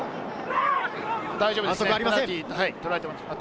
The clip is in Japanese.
大丈夫ですね。